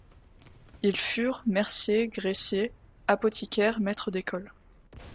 Ils furent merciers, graissiers, apothicaires, maître d’école.